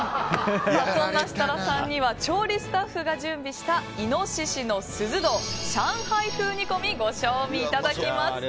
そんな設楽さんには調理スタッフが準備した猪の獅子頭上海風煮込みご賞味いただきます。